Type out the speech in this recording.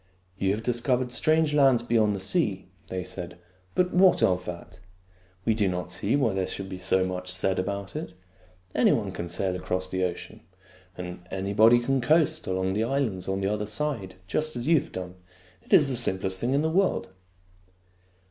" You have discovered strange lands beyond the sea," they said. " But what of that ? We do not see why there should be so much said about it. Any body can sail across the ocean ; and anybody can coast along the islands on the other side, just as you have done. It is the simplest thing in the world."